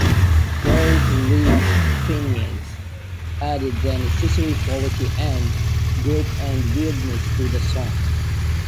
Lo believed Finneas added the necessary quality and "grit and weirdness" to the song.